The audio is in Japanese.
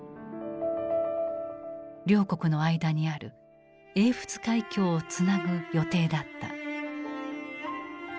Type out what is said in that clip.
両国の間にある英仏海峡をつなぐ予定だった。